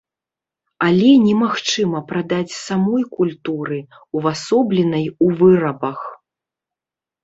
Але немагчыма прадаць самой культуры, увасобленай у вырабах.